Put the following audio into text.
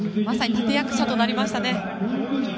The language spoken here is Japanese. まさに立て役者となりましたね。